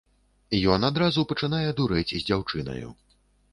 Ён адразу пачынае дурэць з дзяўчынаю.